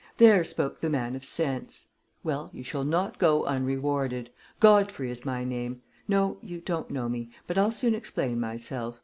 "There spoke the man of sense. Well, you shall not go unrewarded. Godfrey is my name no, you don't know me, but I'll soon explain myself.